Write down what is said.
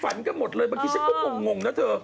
ทำไมฝันก็หมดเลยบางทีฉันก็งงนะเถอะ